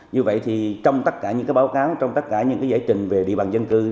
như vậy thì trong tất cả những báo cáo trong tất cả những giải trình về địa bàn dân cư